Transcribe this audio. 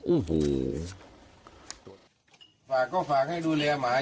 อุหู